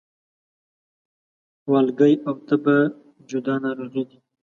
والګی او تبه جدا ناروغي دي